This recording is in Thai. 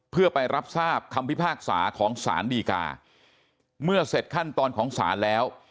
เพื่อไปรับทราบคำพิพากษาของสารดีกาเมื่อเสร็จขั้นตอนของศาลแล้ว